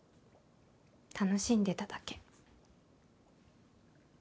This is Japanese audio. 楽しんでただけ。